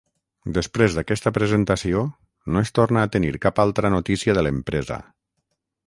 Després d'aquesta presentació, no es tornà a tenir cap altra notícia de l'empresa.